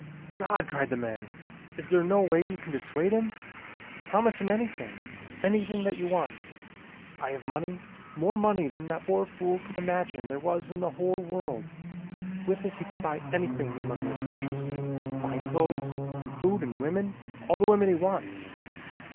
"God!" cried the man. "Is there no way that you can dissuade him? Promise him anything. Anything that you want. I have money, more money than that poor fool could imagine there was in the whole world. With it he can buy anything that money will purchase, fine clothes and food and women, all the women he wants.